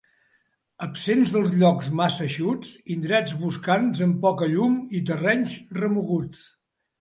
Absents dels llocs massa eixuts, indrets boscans amb poca llum i terrenys remoguts.